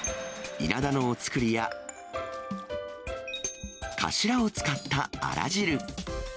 イナダのお造りや、頭を使ったあら汁。